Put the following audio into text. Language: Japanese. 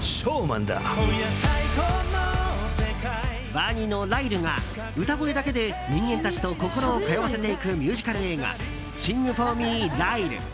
ワニのライルが歌声だけで人間たちと心を通わせていくミュージカル映画「シング・フォー・ミー、ライル」。